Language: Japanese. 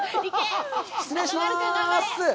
失礼します。